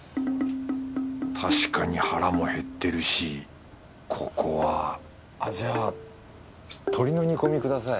確かに腹も減ってるしここはあっじゃあ鳥の煮込みください。